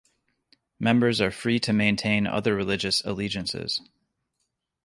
Members are free to maintain other religious allegiances.